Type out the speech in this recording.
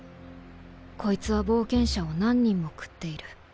こいつは冒険者を何人も食っている。